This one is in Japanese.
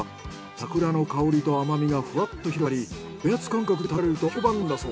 桜の香りと甘みがふわっと広がりおやつ感覚で食べられると評判なんだそう。